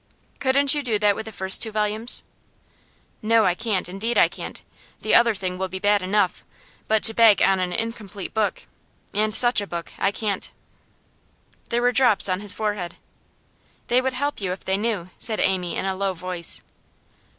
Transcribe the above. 'Couldn't you do that with the first two volumes?' 'No, I can't; indeed I can't. The other thing will be bad enough; but to beg on an incomplete book, and such a book I can't!' There were drops on his forehead. 'They would help you if they knew,' said Amy in a low voice.